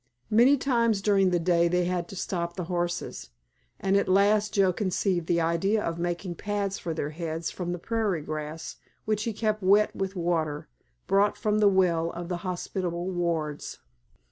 Many times during the day they had to stop the horses, and at last Joe conceived the idea of making pads for their heads from the prairie grass, which he kept wet with water, brought from the well of the hospitable Wards.